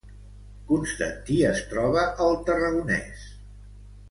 Constantí es troba al Tarragonès